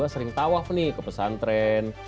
sering tawaf nih ke pesantren